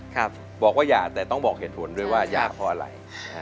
บอกว่าอย่าแต่ต้องบอกเหตุผลด้วยว่าอย่าเพราะอะไร